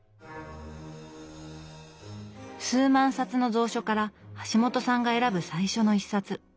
数万冊の蔵書から橋本さんが選ぶ最初の一冊。